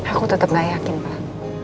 aku tetap gak yakin pak